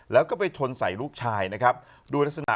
แล้วไปชนรถที่จ่อดอยู่